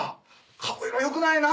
顔色良くないな」